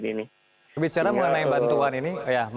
bagaimana cara mengenai bantuan ini